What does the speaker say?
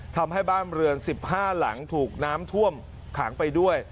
ทำให้บ้านเรือน๑๕หลังถูกน้ำท่วมขังไปด้วย